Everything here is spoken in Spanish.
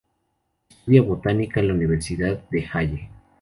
Estudia botánica en la Universidad de Halle.